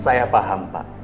saya paham pak